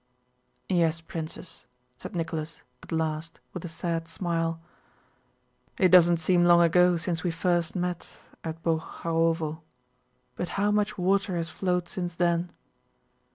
"Yes, Princess," said Nicholas at last with a sad smile, "it doesn't seem long ago since we first met at Boguchárovo, but how much water has flowed since then!